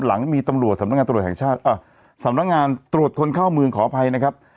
หลังมีตำรวจสำนักงานตรวจแห่งชาติสำนักงานตรวจคนเข้าเมืองขออภัยนะครับ